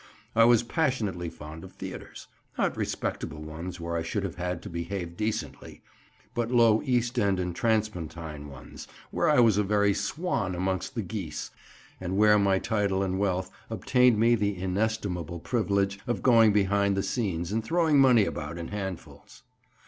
I was passionately fond of theatres, not respectable ones where I should have had to behave decently, but low East end and transpontine ones, where I was a very swan amongst the geese, and where my title and wealth obtained me the inestimable privilege of going behind the scenes, and throwing money about in handfuls.